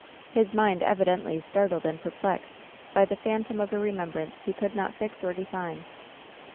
bis inind evi dently startled and perplexed by the phantom of a re membrance he could not fix or define.